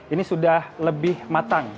ini sudah lebih matang